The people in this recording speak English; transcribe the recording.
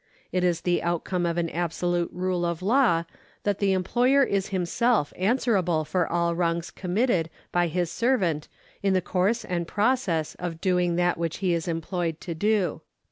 It is the outcome of an absolute rule of law that the employer is himself answerable for all wrongs committed by his servant in the course and process of doing that which he is employed to do.